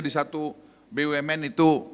di satu bumn itu